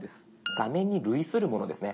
画面に類するものですね。